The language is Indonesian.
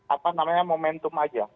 apa namanya momentum aja